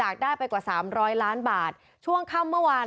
ถูกถ่ายแต่ละแมร์